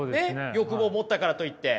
欲望を持ったからといって。